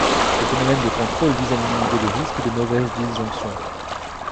Ce phénomène de contrôle vise à minimiser les risques de mauvaise disjonction.